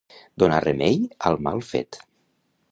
Donar remei al mal fet.